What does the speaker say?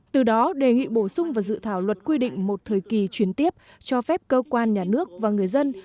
từ đó đề nghị bổ sung vào dự thảo luật quy định một thời kỳ chuyển tiếp cho phép cơ quan nhà nước và người dân